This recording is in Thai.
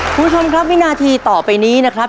คุณผู้ชมครับวินาทีต่อไปนี้นะครับ